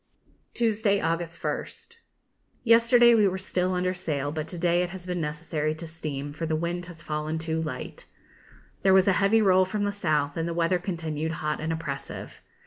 Tuesday, August 1st. Yesterday we were still under sail, but to day it has been necessary to steam, for the wind has fallen too light. There was a heavy roll from the south, and the weather continued hot and oppressive.